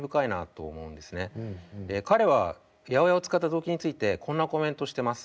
彼は８０８を使った動機についてこんなコメントしてます。